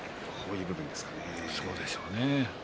そうでしょうね。